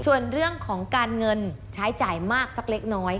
ส่วนเรื่องของการเงินใช้จ่ายมากสักเล็กน้อย